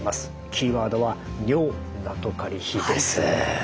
キーワードは尿ナトカリ比です。